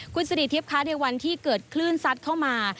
คุณสิริทิพย์คะในวันที่เกิดคลื่นซัดเข้ามา